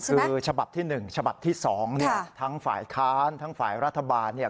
คือฉบับที่๑ฉบับที่๒เนี่ยทั้งฝ่ายค้านทั้งฝ่ายรัฐบาลเนี่ย